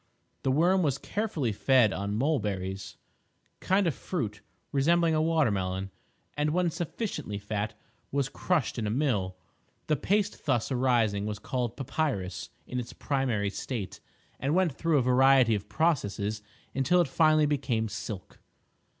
The worm was carefully fed on mulberries—a kind of fruit resembling a water melon—and, when sufficiently fat, was crushed in a mill. The paste thus arising was called papyrus in its primary state, and went through a variety of processes until it finally became "silk."